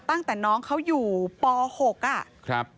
ตั้งแต่น้องเขาอยู่ป๖อ่ะครับ